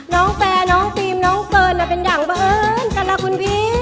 น้องแฟนน้องปีมน้องเฟิร์นอ่ะเป็นอย่างเบอร์นกันล่ะคุณพี